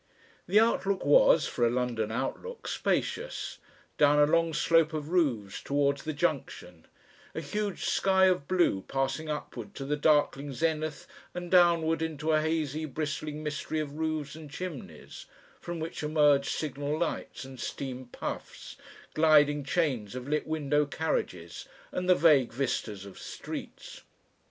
The outlook was, for a London outlook, spacious, down a long slope of roofs towards the Junction, a huge sky of blue passing upward to the darkling zenith and downward into a hazy bristling mystery of roofs and chimneys, from which emerged signal lights and steam puffs, gliding chains of lit window carriages and the vague vistas of streets.